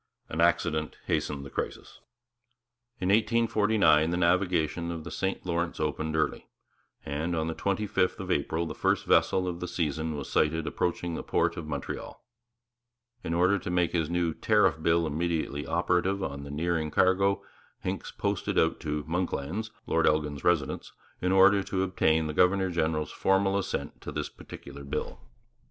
An accident hastened the crisis. In 1849 the navigation of the St Lawrence opened early; and on the twenty fifth of April the first vessel of the season was sighted approaching the port of Montreal. In order to make his new Tariff Bill immediately operative on the nearing cargo, Hincks posted out to 'Monklands,' Lord Elgin's residence, in order to obtain the governor general's formal assent to this particular bill.